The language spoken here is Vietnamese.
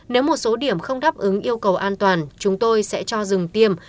nếu một số điểm không đáp ứng yêu cầu an toàn chúng tôi sẽ cho dừng tiêm